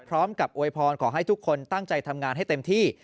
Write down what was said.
อวยพรขอให้ทุกคนตั้งใจทำงานให้เต็มที่